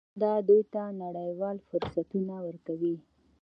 دا دوی ته نړیوال فرصتونه ورکوي.